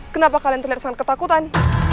kenapa kalian terlihat sangat ketakutan